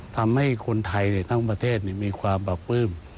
ทำให้คนไทยทั้งประเทศมีความปราบปลื้ม